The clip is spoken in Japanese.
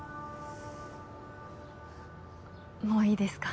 もういいですか？